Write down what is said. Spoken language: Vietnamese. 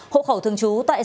hộ khẩu thường trú tại xã sở